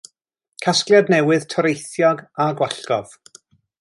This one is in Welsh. Casgliad newydd toreithiog a gwallgof.